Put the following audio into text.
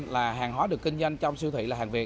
là hàng hóa được kinh doanh trong siêu thị là hàng việt